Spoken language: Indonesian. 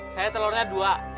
saya telurnya dua